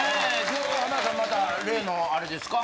今日浜田さんまた例のあれですか？